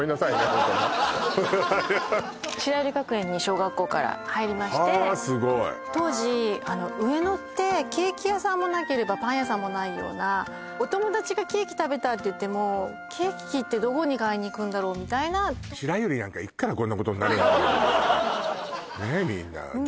ホントね白百合学園に小学校からはあすごい当時あの上野ってケーキ屋さんもなければパン屋さんもないようなお友達がケーキ食べたっていってもケーキってどこに買いに行くんだろうみたいな白百合なんか行くからこんなことになるのよねえ